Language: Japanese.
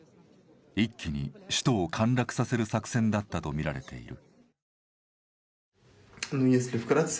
一気に首都を陥落させる作戦だったとみられている。